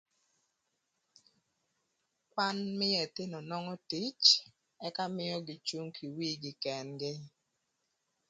Bank mïö ëthïnö nongo tic ëka mïögï cung pïrgï kën-gï.